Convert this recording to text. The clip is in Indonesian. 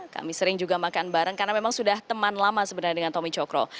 kami sering juga makan bareng karena memang sudah teman lama sebenarnya dengan tommy cokro